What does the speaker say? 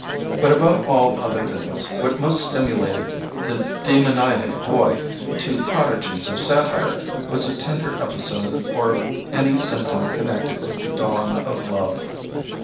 But above all other things, what most stimulated the demoniac boy to prodigies of satire was a tender episode or any symptom connected with the dawn of love.